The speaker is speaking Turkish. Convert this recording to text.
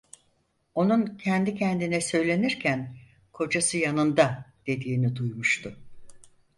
Onun kendi kendine söylenirken "Kocası yanında!" dediğini duymuştu.